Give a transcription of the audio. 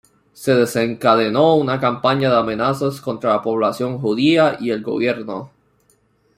Se desencadenó una campaña de amenazas contra la población judía y el Gobierno.